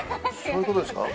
そういう事ですか？